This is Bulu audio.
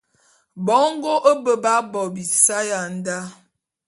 Bongo mbe b'á bo bisae ya ndá.